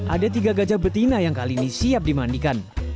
ada tiga gajah betina yang kali ini siap dimandikan